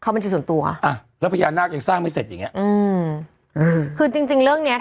เข้าบัญชีส่วนตัวแล้วพญานาคยังสร้างไม่เสร็จอย่างนี้